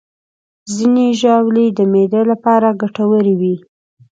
ځینې ژاولې د معدې لپاره ګټورې وي.